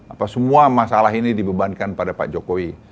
apa semua masalah ini dibebankan pada pak jokowi